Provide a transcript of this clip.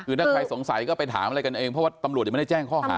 คือถ้าใครสงสัยก็ไปถามอะไรกันเองเพราะว่าตำรวจยังไม่ได้แจ้งข้อหา